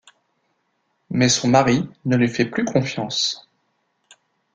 Mais son mari ne lui fait plus confiance.